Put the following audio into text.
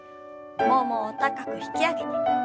ももを高く引き上げて。